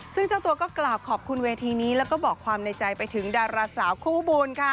ซึ่งเจ้าตัวก็กล่าวขอบคุณเวทีนี้แล้วก็บอกความในใจไปถึงดาราสาวคู่บุญค่ะ